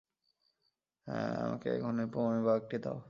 আমাকে এখন ওই প্রমাণের ব্যাগটি দাও।